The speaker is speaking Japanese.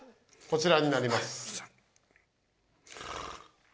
こちらになります